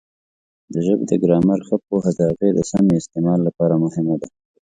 د ژبې د ګرامر ښه پوهه د هغې د سمې استعمال لپاره مهمه ده.